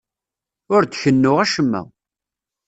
Ur d-kennuɣ acemma.